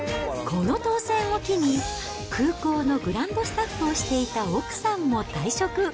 この当せんを機に、空港のグランドスタッフをしていた奥さんも退職。